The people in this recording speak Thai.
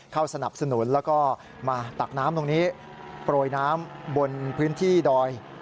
สนับสนุนแล้วก็มาตักน้ำตรงนี้โปรยน้ำบนพื้นที่ดอย